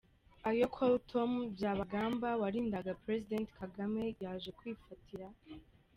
.ayo Col Tom Byabagamba warindaga President kagame yaje kwifatira